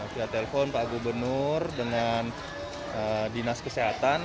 via telepon pak gubernur dengan dinas kesehatan